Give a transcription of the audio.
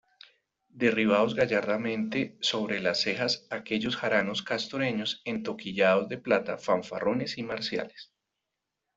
derribados gallardamente sobre las cejas aquellos jaranos castoreños entoquillados de plata, fanfarrones y marciales.